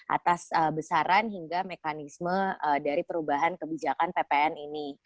atas besaran hingga mekanisme dari perubahan kebijakan ppn ini